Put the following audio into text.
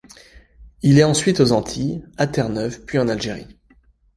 Il est ensuite aux Antilles, à Terre-Neuve puis en Algérie.